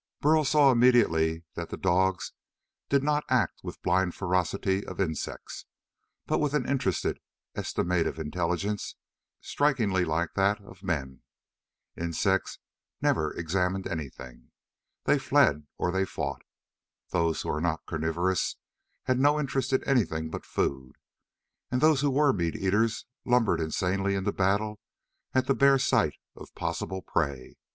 Burl saw immediately that the dogs did not act with the blind ferocity of insects, but with an interested, estimative intelligence strikingly like that of men. Insects never examined anything. They fled or they fought. Those who were not carnivorous had no interest in anything but food, and those who were meat eaters lumbered insanely into battle at the bare sight of possible prey.